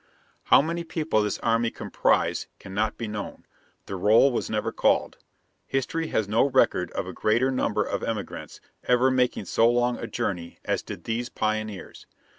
How many people this army comprised cannot be known; the roll was never called. History has no record of a greater number of emigrants ever making so long a journey as did these pioneers.